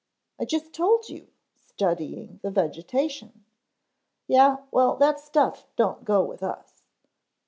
"I just told you, studying the vegetation." "Yeh, well that stuff don't go with us.